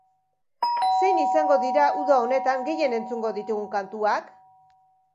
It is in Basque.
Zein izango dira uda honetan gehien entzungo ditugun kantuak?